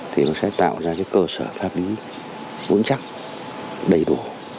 thì nó sẽ tạo ra cái cơ sở pháp lý vững chắc đầy đủ